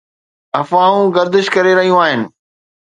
افواهون گردش ڪري رهيون آهن